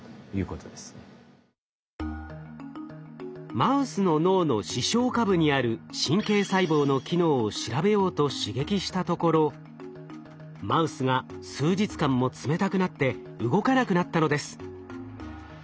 マウスの脳の視床下部にある神経細胞の機能を調べようと刺激したところマウスが数日間も冷たくなって動かなくなったのです。